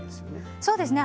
そうですね